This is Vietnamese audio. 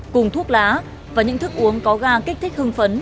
cùng thuốc lá và những thức uống có ga kích thích hưng phấn